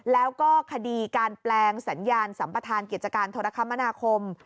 แล้วก็คดีการแปลงสัญญาณสัมประธานกิจการโทรคมนาคม